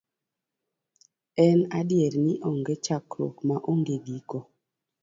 En adier ni onge chakruok ma onge giko.